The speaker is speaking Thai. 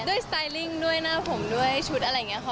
สไตลิ่งด้วยหน้าผมด้วยชุดอะไรอย่างนี้ค่ะ